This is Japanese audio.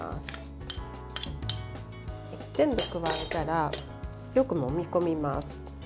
全部加えたら、よくもみ込みます。